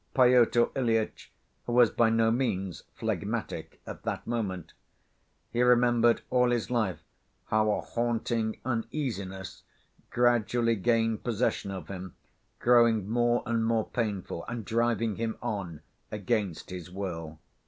Pyotr Ilyitch was by no means phlegmatic at that moment. He remembered all his life how a haunting uneasiness gradually gained possession of him, growing more and more painful and driving him on, against his will.